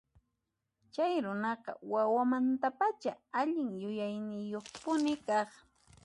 Chay runaqa wawamantapacha allin yuyaynillayuqpuni kaq.